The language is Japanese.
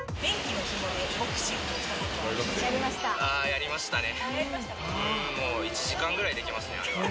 やりましたね。